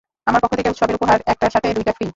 আমার পক্ষ থেকে উৎসবের উপহার, একটার সাথে দুইটা ফ্রী।